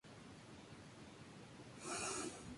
Son plantas anuales con textura de lana, peludas.